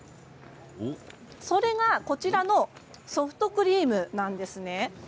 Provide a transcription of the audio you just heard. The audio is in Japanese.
それがこちらのソフトクリームなんです。